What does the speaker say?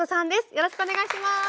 よろしくお願いします。